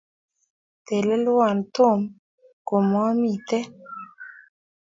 Telelwo Tom ngomomite